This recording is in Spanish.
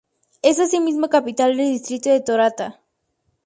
Es asimismo capital del distrito de Torata.